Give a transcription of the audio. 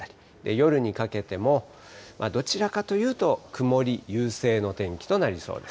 夜にかけてもどちらかというと曇り優勢の天気となりそうです。